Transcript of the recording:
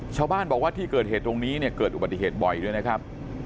ชาวบ้านบอกว่าที่เกิดเหตุตรงนี้เนี่ยเกิดอุบัติเหตุบ่อยด้วยนะครับ